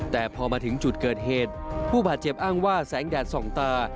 แต่พอมาถึงจุดเกิดเหตุผู้บาดเจ็บอ้างว่าแสงแดดส่องตา